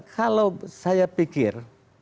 kalau saya pikir